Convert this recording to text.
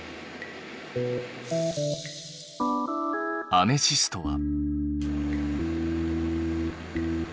アメシストは。